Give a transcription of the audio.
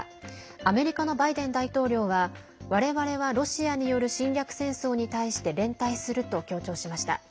アメリカのバイデン大統領は我々は、ロシアによる侵略戦争に対して連帯すると強調しました。